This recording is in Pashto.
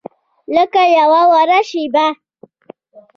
لکه یوه وړه شیبه